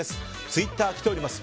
ツイッター、来ております。